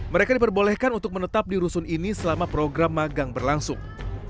mereka diperbolehkan untuk menetap di rusun ini selama program magang berlangsung